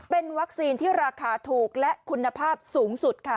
เป็นวัคซีนที่ราคาถูกและคุณภาพสูงสุดค่ะ